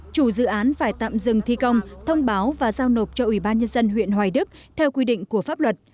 chủ dự án phải tạm dừng thi công thông báo và giao nộp cho ủy ban nhân dân huyện hoài đức theo quy định của pháp luật